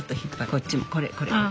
こっちもこれこれ。